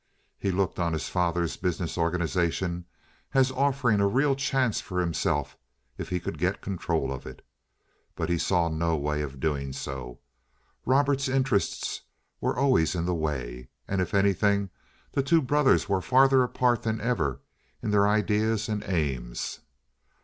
He looked on his father's business organization as offering a real chance for himself if he could get control of it; but he saw no way of doing so. Robert's interests were always in the way, and, if anything, the two brothers were farther apart than ever in their ideas and aims.